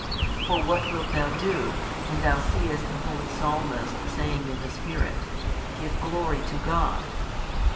For what wilt thou do, when thou seest the holy Psalmist saying in the Spirit, Give glory to God?